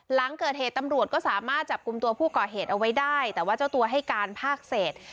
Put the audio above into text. หลังเกิดเหตุตำรวจก็สามารถจับกลุ่มตัวผู้ก่อเหตุเอาไว้ได้แต่ว่าเจ้าตัวให้การภาคเศษ